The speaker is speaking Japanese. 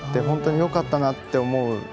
本当によかったなって思う。